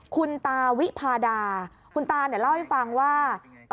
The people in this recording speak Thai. คุณตาวิพาดาคุณตาเนี่ยเล่าให้ฟังว่า